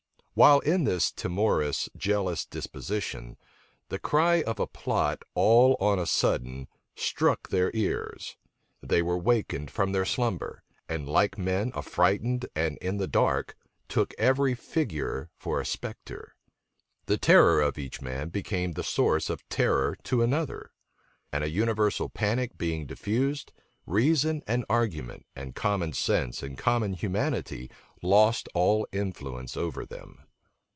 While in this timorous, jealous disposition, the cry of a plot all on a sudden struck their ears: they were wakened from their slumber: and like men affrightened and in the dark, took every figure for a spectre. The terror of each man became the source of terror to another. And a universal panic being diffused, reason and argument, and common sense and common humanity, lost all influence over them.